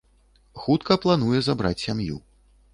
Хутка плануе забраць сям'ю.